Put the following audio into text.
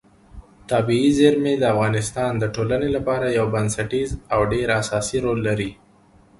طبیعي زیرمې د افغانستان د ټولنې لپاره یو بنسټیز او ډېر اساسي رول لري.